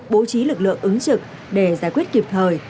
bố trí lực lượng ứng trực để giải quyết kịp thời